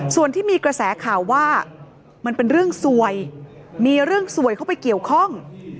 ส่วนที่มีกระแสข่าวว่ามันเป็นเรื่องสวยมีเรื่องสวยเข้าไปเกี่ยวข้อง